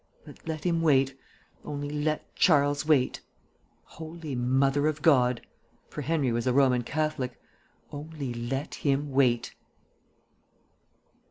But let him wait; only let Charles wait. "Holy Mother of God!" (for Henry was a Roman Catholic), "only let him wait!"